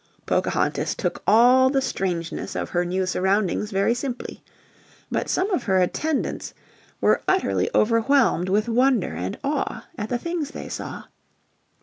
Pocahontas took all the strangeness of her new surroundings very simply. But some of her attendants were utterly overwhelmed with wonder and awe at the things they saw.